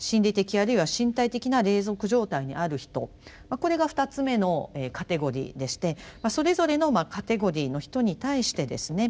これが２つ目のカテゴリーでしてそれぞれのカテゴリーの人に対してですね